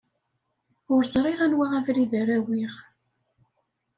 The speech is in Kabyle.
Ur ẓriɣ anwa abrid ara awiɣ.